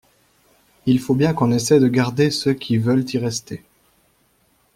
Il faut bien qu’on essaie de garder ceux qui veulent y rester.